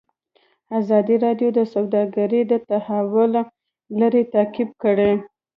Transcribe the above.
ازادي راډیو د سوداګري د تحول لړۍ تعقیب کړې.